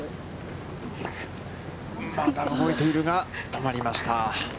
まだ動いているが、止まりました。